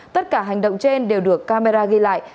tất cả hành động trên đều được camera ghi lại